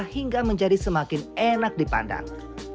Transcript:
hingga menjadi semakin enak dipandang